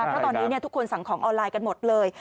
เพราะตอนนี้ทุกคนสั่งของออนไลน์กันหมดเลย